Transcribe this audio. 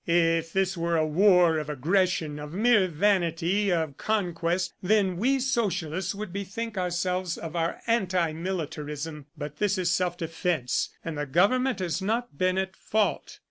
If this were a war of aggression, of mere vanity, of conquest, then we Socialists would bethink ourselves of our anti militarism. But this is self defense, and the government has not been at fault.